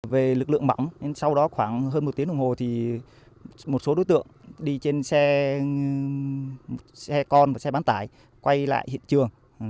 về lực lượng mỏng sau đó khoảng hơn một tiếng đồng hồ thì một số đối tượng đi trên xe con và xe bán tải quay lại hiện trường